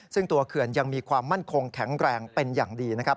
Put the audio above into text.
ซึ่งตัวเขื่อนยังมีความมั่นคงแข็งแรงเป็นอย่างดีนะครับ